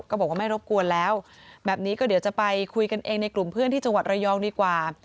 ก็บอกว่าไม่รบกวนแล้วแบบนี้ก็เดี๋ยวจะไปคุยกันเองในกลุ่มเพื่อนที่จังหวัดระยองดีกว่า